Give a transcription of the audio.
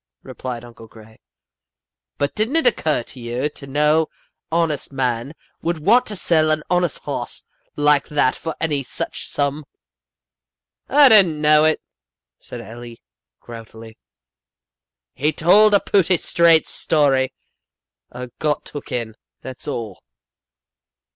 replied Uncle Gray; 'but didn't it occur to you 't no honest man would want to sell an honest hoss like that for any such sum?' "'I didn't know it,' said Eli, groutily. 'He told a pooty straight story. I got took in, that's all.